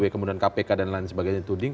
kemudian kpk dan lain sebagainya tuding